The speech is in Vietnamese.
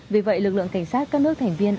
vì vậy lực lượng cảnh sát các nước thành viên